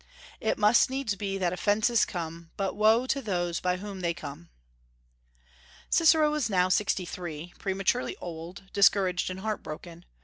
"It must need be that offences come, but woe to those by whom they come." Cicero was now sixty three, prematurely old, discouraged, and heart broken.